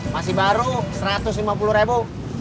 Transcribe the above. masih baru satu ratus lima puluh ribu